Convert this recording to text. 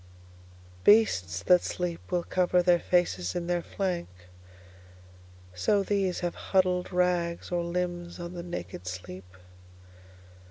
Beasts that sleep will coverTheir faces in their flank; so theseHave huddled rags or limbs on the naked sleep.